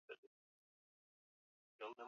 Nilirauka leo ili nifike huko mapema